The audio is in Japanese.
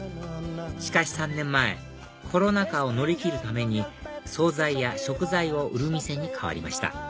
しかし３年前コロナ禍を乗り切るために総菜や食材を売る店に変わりました